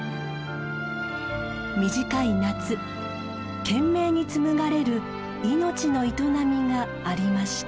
短い夏懸命に紡がれる命の営みがありました。